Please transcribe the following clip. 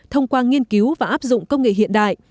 thông qua nghiên cứu và áp dụng công nghệ hiện đại